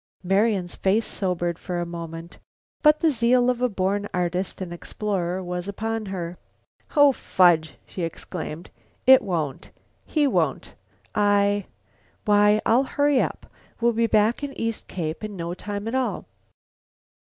Marian's face sobered for a moment. But the zeal of a born artist and explorer was upon her. "Oh, fudge!" she exclaimed, "it won't. He won't. I I why, I'll hurry. We'll be back at East Cape in no time at all."